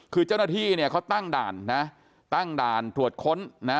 คือเจ้าหน้าที่เนี่ยเขาตั้งด่านนะตั้งด่านตรวจค้นนะ